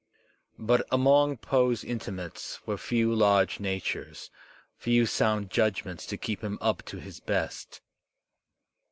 But among Poe's intimates were few large natures, few sound judgments to keep him up to his best.